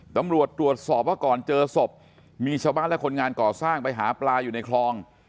ตำรวจตรวจสอบว่าก่อนเจอศพมีชาวบ้านและคนงานก่อสร้างไปหาปลาอยู่ในคลอง